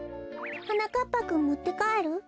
はなかっぱくんもってかえる？